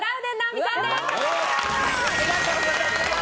おめでとうございます！